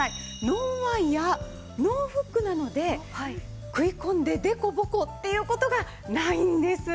ノンワイヤノンフックなので食い込んで凸凹っていう事がないんです。